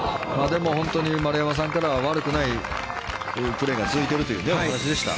でも本当に、丸山さんからは悪くないプレーが続いているというお話でした。